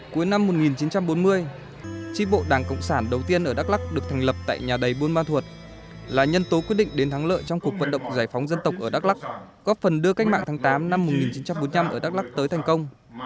cuối năm một nghìn chín trăm bốn mươi tri bộ đảng cộng sản đầu tiên ở đắk lắc được thành lập tại nhà đầy buôn ma thuột là nhân tố quyết định đến thắng lợi trong cuộc vận động giải phóng dân tộc ở đắk lắk góp phần đưa cách mạng tháng tám năm một nghìn chín trăm bốn mươi năm ở đắk lắc tới thành công